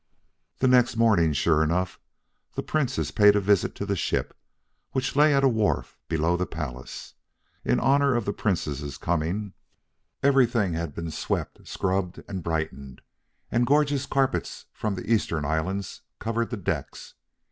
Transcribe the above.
The next morning, sure enough, the Princess paid a visit to the ship, which lay at a wharf below the palace. In honor of the Princess's coming, everything had been swept, scrubbed, and brightened, and gorgeous carpets from the Eastern Islands covered the decks.